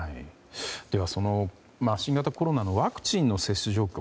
では、その新型コロナのワクチンの接種状況。